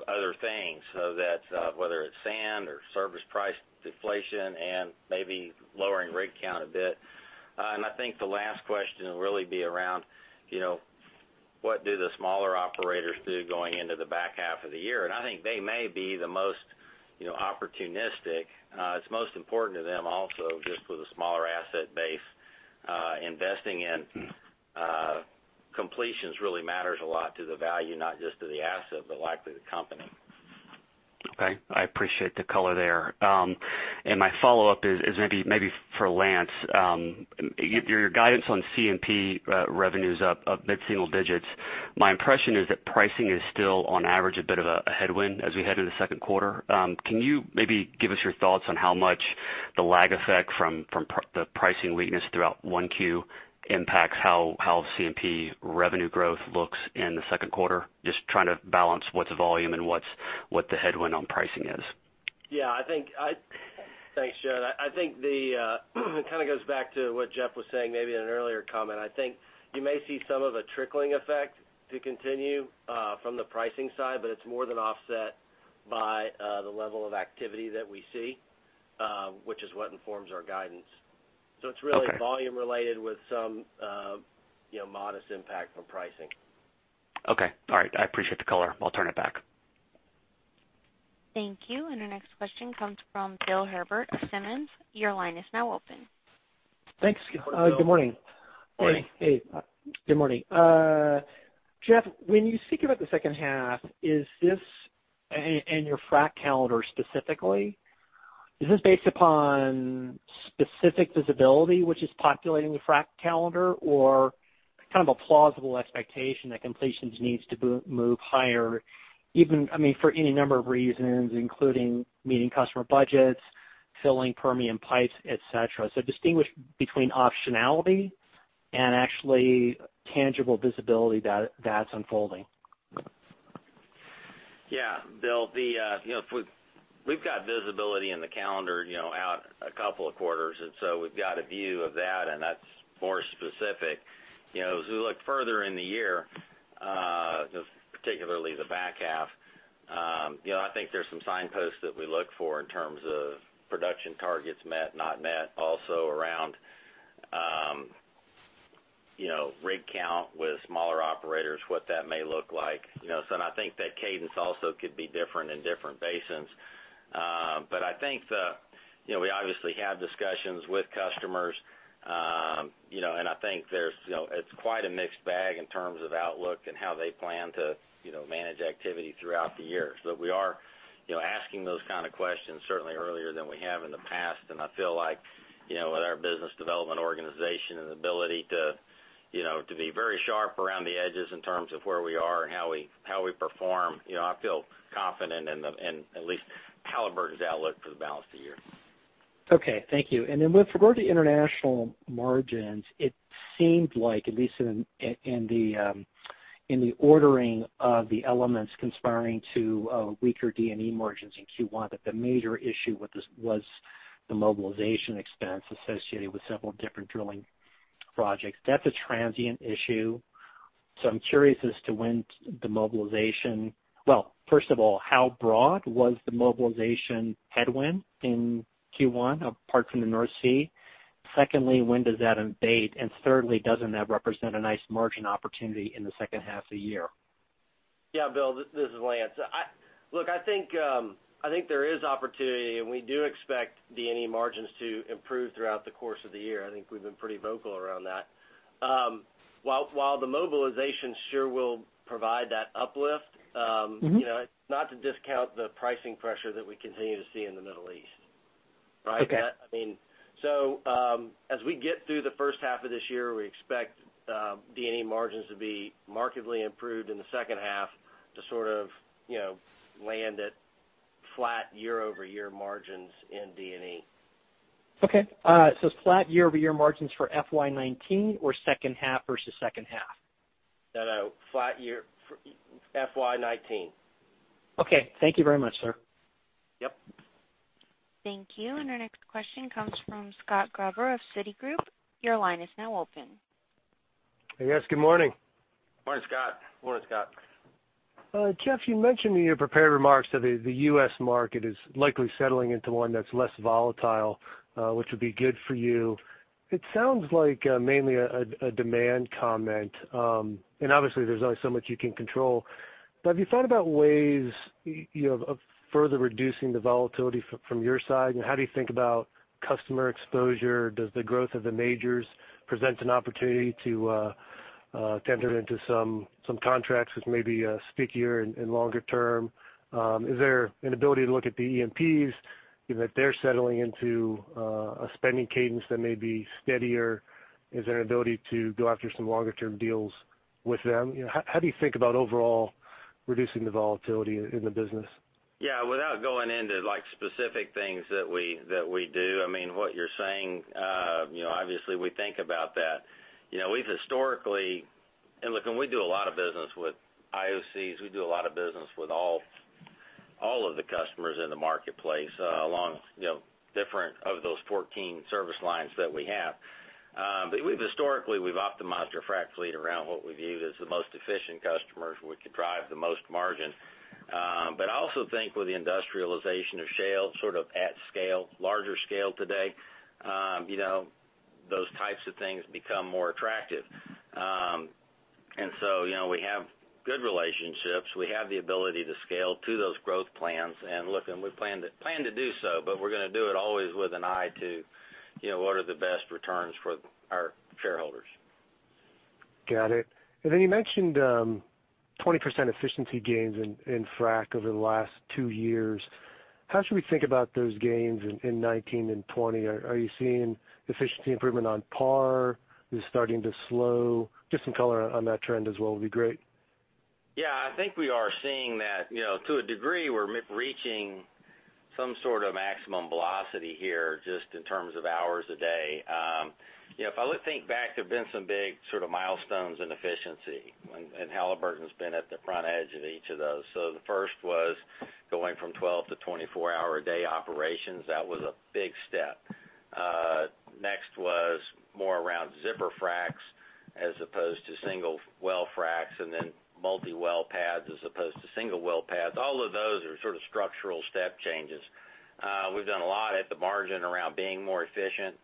S3: other things, whether it's sand or service price deflation and maybe lowering rig count a bit. I think the last question will really be around what do the smaller operators do going into the back half of the year? I think they may be the most opportunistic. It's most important to them also just with a smaller asset base. Investing in completions really matters a lot to the value, not just to the asset, but likely the company.
S7: Okay. I appreciate the color there. My follow-up is maybe for Lance. Your guidance on C&P revenues up mid-single digits. My impression is that pricing is still, on average, a bit of a headwind as we head into the 2Q. Can you maybe give us your thoughts on how much the lag effect from the pricing weakness throughout 1Q impacts how C&P revenue growth looks in the 2Q? Just trying to balance what's volume and what the headwind on pricing is.
S4: Yeah. Thanks, Jud. I think it goes back to what Jeff was saying, maybe in an earlier comment. I think you may see some of a trickling effect to continue from the pricing side, it's more than offset by the level of activity that we see, which is what informs our guidance.
S7: Okay.
S4: It's really volume related with some modest impact from pricing.
S7: Okay. All right. I appreciate the color. I'll turn it back.
S1: Thank you. Our next question comes from Bill Herbert of Simmons. Your line is now open.
S8: Thanks. Good morning.
S4: Hi.
S8: Hey. Good morning. Jeff, when you think about the second half and your frack calendar specifically, is this based upon specific visibility which is populating the frack calendar, or kind of a plausible expectation that completions needs to move higher, for any number of reasons, including meeting customer budgets, filling Permian pipes, et cetera? Distinguish between optionality and actually tangible visibility that's unfolding.
S3: Yeah. Bill, we've got visibility in the calendar out a couple of quarters, and so we've got a view of that, and that's more specific. As we look further in the year, particularly the back half, I think there's some signposts that we look for in terms of production targets met, not met, also around rig count with smaller operators, what that may look like. I think that cadence also could be different in different basins. I think we obviously have discussions with customers. I think it's quite a mixed bag in terms of outlook and how they plan to manage activity throughout the year. We are asking those kind of questions certainly earlier than we have in the past, and I feel like with our business development organization and ability to be very sharp around the edges in terms of where we are and how we perform, I feel confident in at least Halliburton's outlook for the balance of the year.
S8: Okay. Thank you. With regard to international margins, it seemed like, at least in the ordering of the elements conspiring to weaker Drilling and Evaluation margins in Q1, that the major issue with this was the mobilization expense associated with several different drilling projects. That's a transient issue, so I'm curious as to when first of all, how broad was the mobilization headwind in Q1, apart from the North Sea? Secondly, when does that abate? Thirdly, doesn't that represent a nice margin opportunity in the second half of the year?
S4: Yeah, Bill. This is Lance. Look, I think there is opportunity, and we do expect Drilling and Evaluation margins to improve throughout the course of the year. I think we've been pretty vocal around that. While the mobilization sure will provide that uplift. Not to discount the pricing pressure that we continue to see in the Middle East. Right?
S8: Okay.
S4: As we get through the first half of this year, we expect Drilling and Evaluation margins to be markedly improved in the second half to sort of land at flat year-over-year margins in Drilling and Evaluation.
S8: Okay. It's flat year-over-year margins for FY 2019 or second half versus second half?
S4: No, flat year for FY 2019.
S8: Okay. Thank you very much, sir.
S4: Yep.
S1: Thank you. Our next question comes from Scott Gruber of Citigroup. Your line is now open.
S9: Hey, guys. Good morning.
S4: Morning, Scott.
S3: Morning, Scott.
S9: Jeff, you mentioned in your prepared remarks that the U.S. market is likely settling into one that's less volatile, which would be good for you. It sounds like mainly a demand comment. Obviously there's only so much you can control. Have you thought about ways of further reducing the volatility from your side? How do you think about customer exposure? Does the growth of the majors present an opportunity to tender into some contracts which may be stickier and longer term? Is there an ability to look at the E&Ps, if they're settling into a spending cadence that may be steadier? Is there an ability to go after some longer-term deals with them? How do you think about overall reducing the volatility in the business?
S3: Yeah. Without going into specific things that we do, what you're saying, obviously we think about that. We've historically. We do a lot of business with IOCs. We do a lot of business with all of the customers in the marketplace along different of those 14 service lines that we have. Historically, we've optimized our frac fleet around what we view as the most efficient customers we could drive the most margin. I also think with the industrialization of shale sort of at scale, larger scale today, those types of things become more attractive. We have good relationships. We have the ability to scale to those growth plans. We plan to do so, but we're going to do it always with an eye to what are the best returns for our shareholders.
S9: Got it. You mentioned 20% efficiency gains in frac over the last two years. How should we think about those gains in 2019 and 2020? Are you seeing efficiency improvement on par? Is it starting to slow? Just some color on that trend as well would be great.
S3: Yeah. I think we are seeing that. To a degree, we're reaching some sort of maximum velocity here, just in terms of hours a day. If I think back, there have been some big sort of milestones in efficiency, and Halliburton's been at the front edge of each of those. The first was going from 12 to 24 hour a day operations. That was a big step. Next was more around zipper fracs as opposed to single well fracs, then multi-well pads as opposed to single well pads. All of those are sort of structural step changes. We've done a lot at the margin around being more efficient,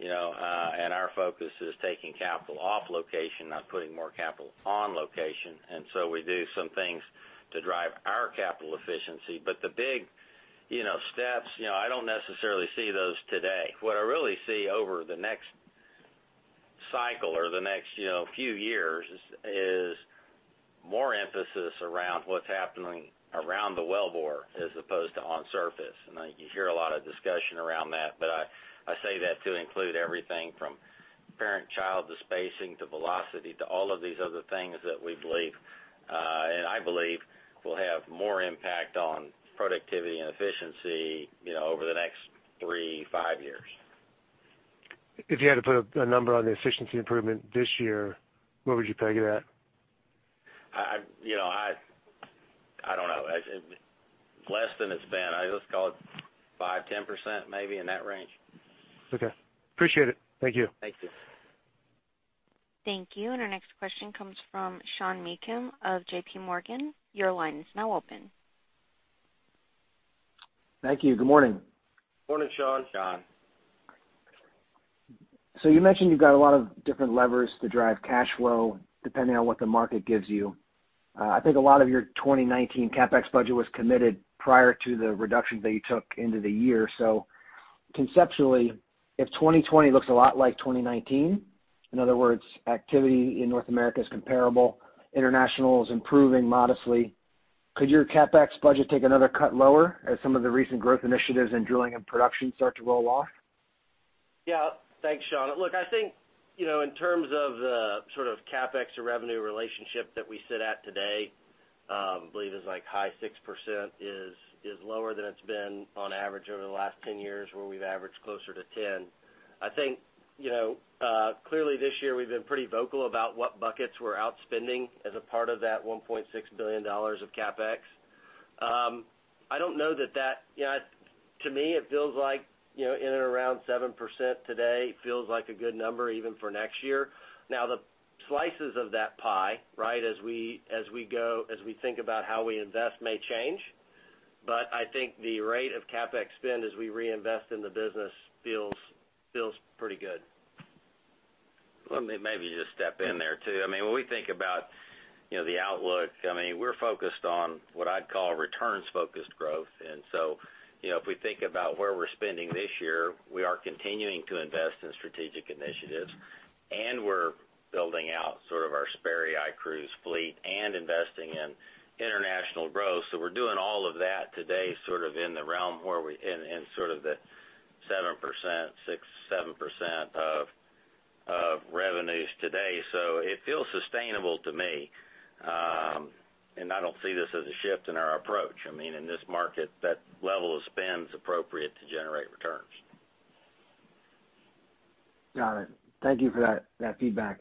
S3: and our focus is taking capital off location, not putting more capital on location. We do some things to drive our capital efficiency. The big steps, I don't necessarily see those today. What I really see over the next cycle or the next few years is more emphasis around what's happening around the wellbore as opposed to on surface. You hear a lot of discussion around that, but I say that to include everything from parent-child, to spacing, to velocity, to all of these other things that we believe, and I believe, will have more impact on productivity and efficiency over the next three, five years.
S9: If you had to put a number on the efficiency improvement this year, where would you peg it at?
S3: I don't know. Less than it's been. Let's call it five, 10%, maybe in that range.
S9: Okay. Appreciate it. Thank you.
S3: Thank you.
S1: Thank you. Our next question comes from Sean Meakim of J.P. Morgan. Your line is now open.
S10: Thank you. Good morning.
S3: Morning, Sean.
S4: Sean.
S10: You mentioned you've got a lot of different levers to drive cash flow depending on what the market gives you. I think a lot of your 2019 CapEx budget was committed prior to the reduction that you took into the year. Conceptually, if 2020 looks a lot like 2019, in other words, activity in North America is comparable, international is improving modestly, could your CapEx budget take another cut lower as some of the recent growth initiatives in drilling and production start to roll off?
S4: Yeah. Thanks, Sean. Look, I think in terms of the sort of CapEx to revenue relationship that we sit at today, I believe is like high 6% is lower than it's been on average over the last 10 years, where we've averaged closer to 10. I think clearly this year we've been pretty vocal about what buckets we're outspending as a part of that $1.6 billion of CapEx. To me, it feels like in and around 7% today feels like a good number even for next year. The slices of that pie as we think about how we invest may change, but I think the rate of CapEx spend as we reinvest in the business feels pretty good.
S3: Let me maybe just step in there, too. When we think about the outlook, we're focused on what I'd call returns-focused growth. If we think about where we're spending this year, we are continuing to invest in strategic initiatives, and we're building out sort of our Sperry iCruise fleet and investing in international growth. We're doing all of that today, sort of in the realm, in sort of the 6%, 7% of revenues today. It feels sustainable to me. I don't see this as a shift in our approach. In this market, that level of spend is appropriate to generate returns.
S10: Got it. Thank you for that feedback.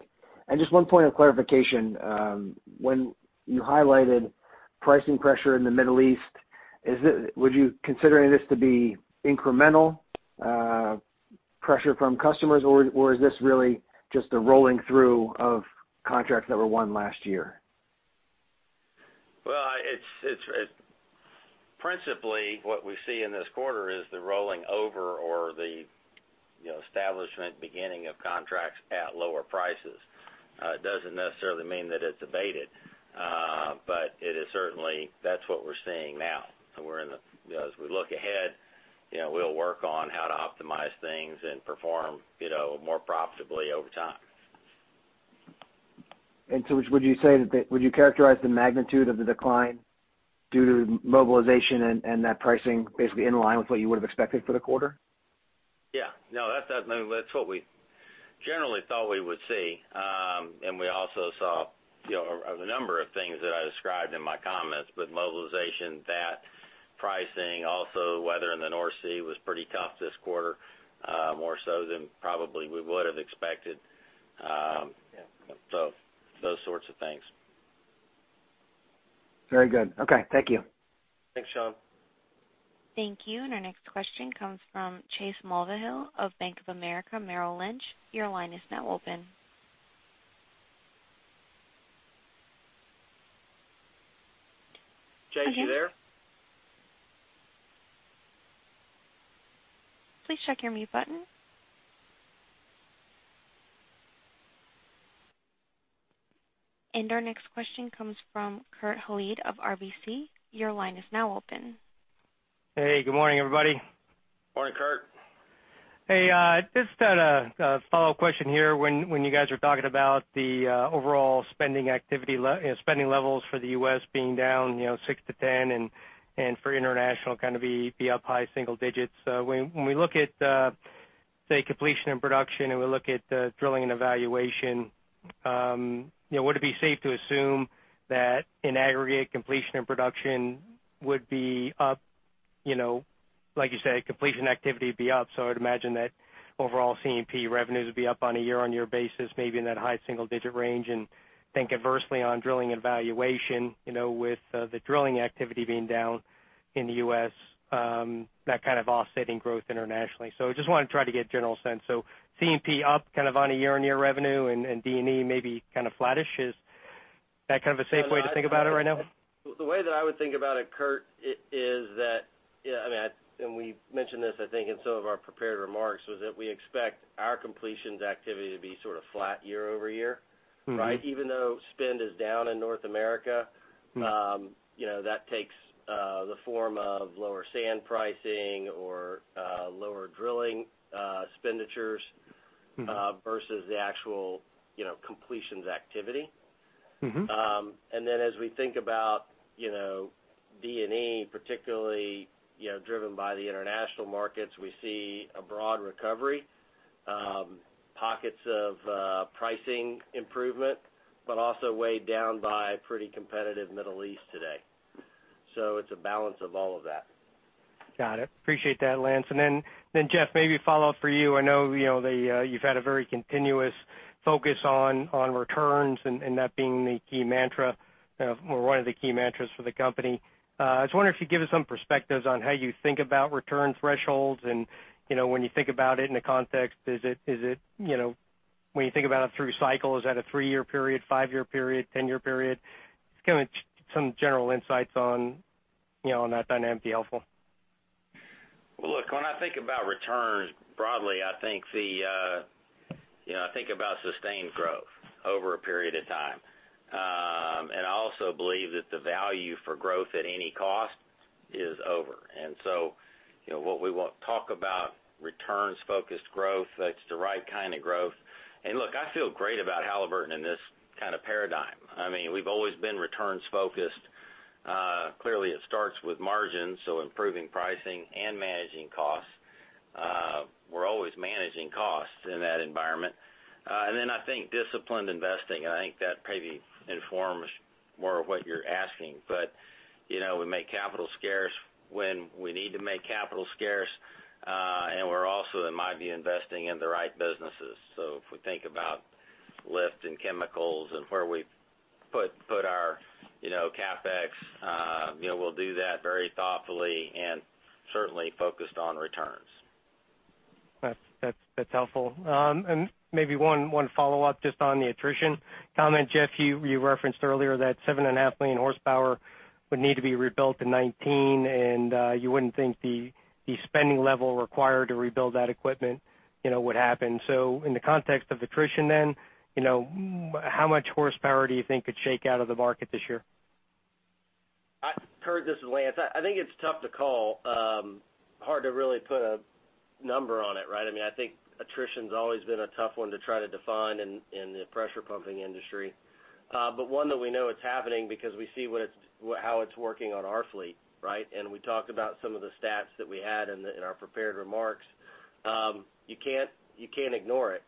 S10: Just one point of clarification. When you highlighted pricing pressure in the Middle East, would you considering this to be incremental pressure from customers, or is this really just a rolling through of contracts that were won last year?
S3: Well, principally what we see in this quarter is the rolling over or the establishment beginning of contracts at lower prices. It doesn't necessarily mean that it's abated. It is certainly, that's what we're seeing now. As we look ahead, we'll work on how to optimize things and perform more profitably over time.
S10: Would you characterize the magnitude of the decline due to mobilization and that pricing basically in line with what you would've expected for the quarter?
S3: Yeah. No, that's what we generally thought we would see. We also saw a number of things that I described in my comments, but mobilization, that pricing, also weather in the North Sea was pretty tough this quarter, more so than probably we would've expected.
S4: Yeah. Those sorts of things.
S10: Very good. Okay. Thank you.
S3: Thanks, Sean.
S1: Thank you. Our next question comes from Chase Mulvihill of Bank of America Merrill Lynch. Your line is now open.
S3: Chase, you there?
S1: Please check your mute button. Our next question comes from Kurt Hallead of RBC. Your line is now open.
S11: Hey, good morning, everybody.
S3: Morning, Kurt.
S11: Hey, just a follow question here. When you guys are talking about the overall spending levels for the U.S. being down 6-10 and for international kind of be up high single digits. When we look at, say, Completion and Production, and we look at Drilling and Evaluation, would it be safe to assume that in aggregate Completion and Production would be up, like you say, completion activity would be up, so I'd imagine that overall C&P revenues would be up on a year-on-year basis, maybe in that high single-digit range. Think adversely on Drilling and Evaluation, with the drilling activity being down in the U.S., that kind of offsetting growth internationally. I just want to try to get general sense. C&P up kind of on a year-on-year revenue and D&E maybe kind of flattish. Is that kind of a safe way to think about it right now?
S4: The way that I would think about it, Kurt, is that, and we mentioned this, I think, in some of our prepared remarks, was that we expect our completions activity to be sort of flat year-over-year. Even though spend is down in North America, that takes the form of lower sand pricing or lower drilling expenditures versus the actual completions activity. As we think about D&E, particularly driven by the international markets, we see a broad recovery, pockets of pricing improvement, but also weighed down by pretty competitive Middle East today. It's a balance of all of that.
S11: Got it. Appreciate that, Lance. Jeff, maybe a follow-up for you. I know you've had a very continuous focus on returns and that being the key mantra, or one of the key mantras for the company. I was wondering if you'd give us some perspectives on how you think about return thresholds and when you think about it in a context, when you think about it through cycles, is that a three-year period, five-year period, 10-year period? Just kind of some general insights on that dynamic be helpful.
S3: Well, look, when I think about returns broadly, I think about sustained growth over a period of time. I also believe that the value for growth at any cost is over. What we want to talk about returns-focused growth, that's the right kind of growth. Look, I feel great about Halliburton in this kind of paradigm. We've always been returns focused. Clearly, it starts with margins, so improving pricing and managing costs. We're always managing costs in that environment. I think disciplined investing, and I think that maybe informs more of what you're asking. But we make capital scarce when we need to make capital scarce. We're also, in my view, investing in the right businesses. If we think about lift and chemicals and where we put our CapEx, we'll do that very thoughtfully and certainly focused on returns.
S11: That's helpful. Maybe one follow-up just on the attrition comment. Jeff, you referenced earlier that 7.5 million horsepower would need to be rebuilt in 2019, and you wouldn't think the spending level required to rebuild that equipment would happen. In the context of attrition then, how much horsepower do you think could shake out of the market this year?
S4: Kurt, this is Lance. I think it's tough to call. Hard to really put a number on it, right? I think attrition's always been a tough one to try to define in the pressure pumping industry. One that we know it's happening because we see how it's working on our fleet, right? We talked about some of the stats that we had in our prepared remarks. You can't ignore it.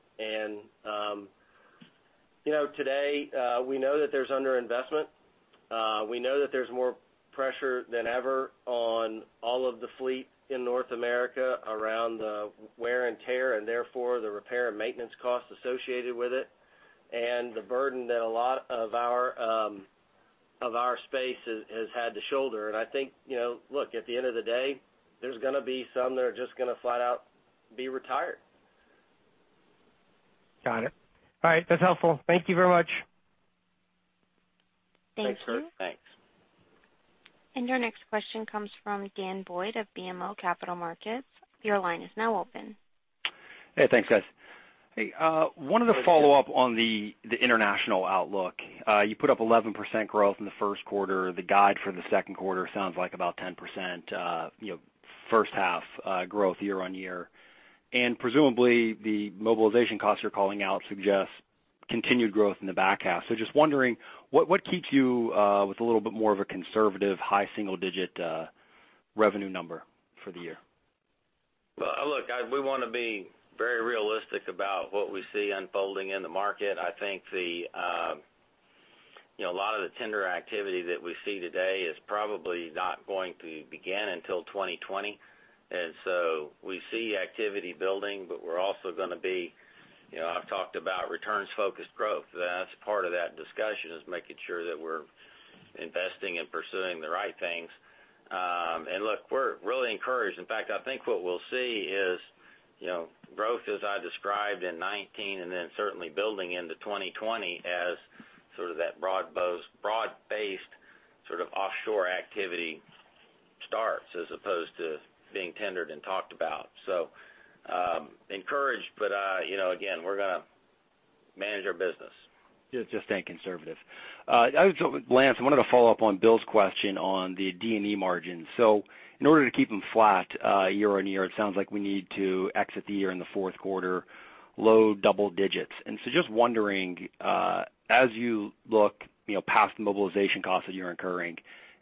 S4: Today, we know that there's under-investment. We know that there's more pressure than ever on all of the fleet in North America around the wear and tear, and therefore the repair and maintenance costs associated with it. The burden that a lot of our space has had to shoulder. I think, look, at the end of the day, there's gonna be some that are just gonna flat out be retired.
S11: Got it. All right. That's helpful. Thank you very much.
S3: Thanks, Kurt.
S1: Thank you.
S3: Thanks.
S1: Your next question comes from Dan Boyd of BMO Capital Markets. Your line is now open.
S12: Hey, thanks, guys.
S3: Hey, Dan
S12: wanted to follow up on the international outlook. You put up 11% growth in the first quarter. The guide for the second quarter sounds like about 10% first half growth year-on-year. Presumably, the mobilization costs you're calling out suggest continued growth in the back half. Just wondering, what keeps you with a little bit more of a conservative high single-digit revenue number for the year?
S3: Look, we want to be very realistic about what we see unfolding in the market. I think a lot of the tender activity that we see today is probably not going to begin until 2020. We see activity building, but we're also going to be I've talked about returns-focused growth. That's part of that discussion, is making sure that we're investing and pursuing the right things. Look, we're really encouraged. In fact, I think what we'll see is growth, as I described in 2019, and then certainly building into 2020 as sort of that broad-based offshore activity starts as opposed to being tendered and talked about. Encouraged, but again, we're going to manage our business.
S12: Yeah, just staying conservative. Lance, I wanted to follow up on Bill's question on the D&E margin. In order to keep them flat year-over-year, it sounds like we need to exit the year in the fourth quarter low double digits. Just wondering, as you look past the mobilization costs that you're incurring,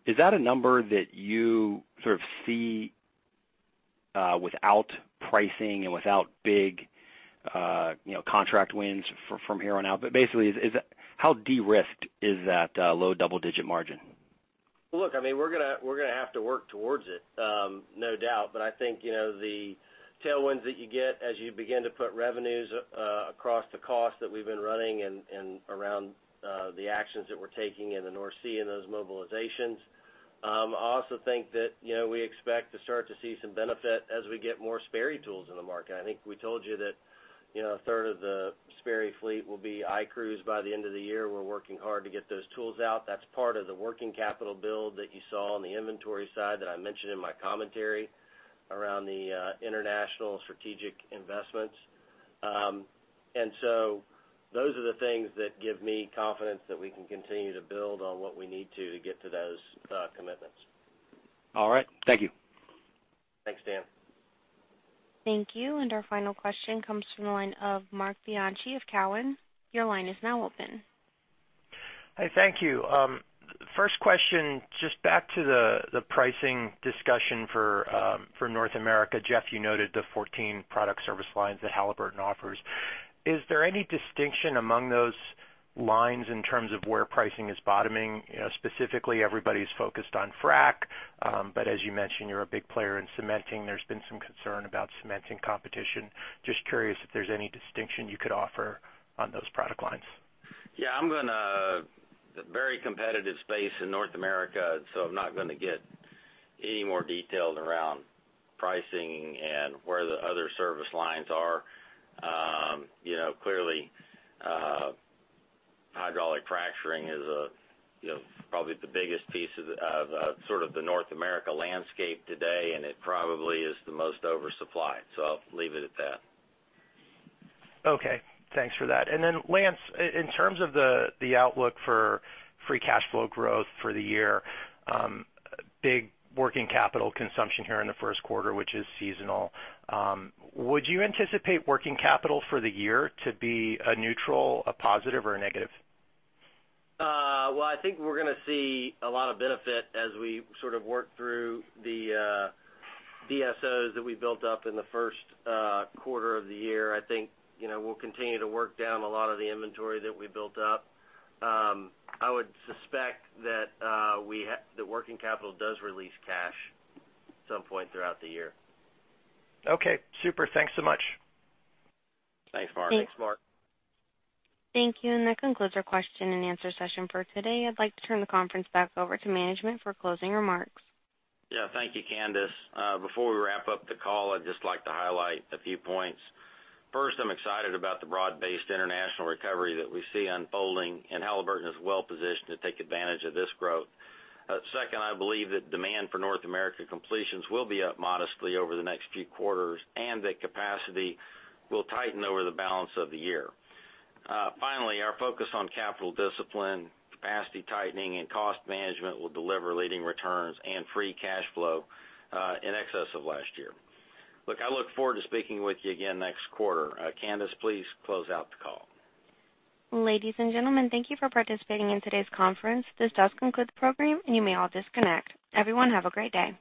S12: is that a number that you sort of see without pricing and without big contract wins from here on out? Basically, how de-risked is that low double-digit margin?
S4: Look, we're going to have to work towards it. No doubt. I think, the tailwinds that you get as you begin to put revenues across the cost that we've been running and around the actions that we're taking in the North Sea and those mobilizations. I also think that we expect to start to see some benefit as we get more Sperry tools in the market. I think we told you that a third of the Sperry fleet will be iCruise by the end of the year. We're working hard to get those tools out. That's part of the working capital build that you saw on the inventory side that I mentioned in my commentary around the international strategic investments. Those are the things that give me confidence that we can continue to build on what we need to get to those commitments.
S12: All right. Thank you.
S4: Thanks, Dan.
S1: Thank you. Our final question comes from the line of Marc Bianchi of Cowen. Your line is now open.
S13: Hi, thank you. First question, just back to the pricing discussion for North America. Jeff, you noted the 14 product service lines that Halliburton offers. Is there any distinction among those lines in terms of where pricing is bottoming? Specifically, everybody's focused on frack. As you mentioned, you're a big player in cementing. There's been some concern about cementing competition. Just curious if there's any distinction you could offer on those product lines.
S3: Yeah, very competitive space in North America, and so I'm not gonna get any more detailed around pricing and where the other service lines are. Clearly, hydraulic fracturing is probably the biggest piece of sort of the North America landscape today, and it probably is the most oversupplied. I'll leave it at that.
S13: Okay, thanks for that. Lance, in terms of the outlook for free cash flow growth for the year, big working capital consumption here in the first quarter, which is seasonal. Would you anticipate working capital for the year to be a neutral, a positive, or a negative?
S4: Well, I think we're going to see a lot of benefit as we sort of work through the DSOs that we built up in the first quarter of the year. I think we'll continue to work down a lot of the inventory that we built up. I would suspect that working capital does release cash at some point throughout the year.
S13: Okay, super. Thanks so much.
S4: Thanks, Marc.
S1: Thank you. That concludes our question and answer session for today. I'd like to turn the conference back over to management for closing remarks.
S3: Thank you, Candice. Before we wrap up the call, I'd just like to highlight a few points. First, I'm excited about the broad-based international recovery that we see unfolding. Halliburton is well-positioned to take advantage of this growth. Second, I believe that demand for North American completions will be up modestly over the next few quarters. That capacity will tighten over the balance of the year. Finally, our focus on capital discipline, capacity tightening, and cost management will deliver leading returns and free cash flow in excess of last year. Look, I look forward to speaking with you again next quarter. Candice, please close out the call.
S1: Ladies and gentlemen, thank you for participating in today's conference. This does conclude the program. You may all disconnect. Everyone, have a great day.